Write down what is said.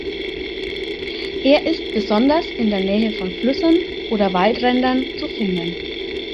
Er ist besonders in der Nähe von Flüssen oder Waldrändern zu finden.